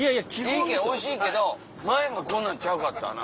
いいけどおいしいけど前もこんなんちゃうかった？